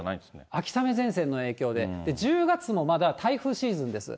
秋雨前線の影響で、１０月もまだ台風シーズンです。